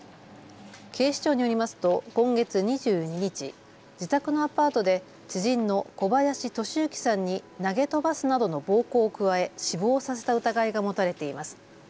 警視庁によりますと今月２２日、自宅のアパートで知人の小林利行さんに投げ飛ばすなどの暴行を加え死亡させた疑いが持たれています。